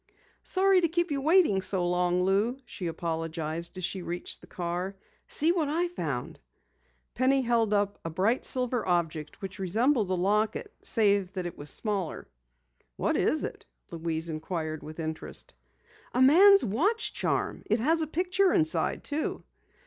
"Sorry to keep you waiting so long, Lou," she apologized as she reached the car. "See what I found!" Penny held up a bright silver object which resembled a locket, save that it was smaller. "What is it?" Louise inquired with interest. "A man's watch charm! It has a picture inside too!"